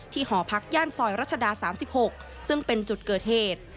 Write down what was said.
หอพักย่านซอยรัชดา๓๖ซึ่งเป็นจุดเกิดเหตุ